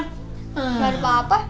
gak ada apa apa